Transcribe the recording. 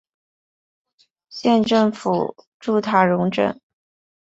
县政府驻塔荣镇。